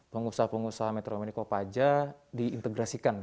pengusaha pengusaha metro mini kopaja diintegrasikan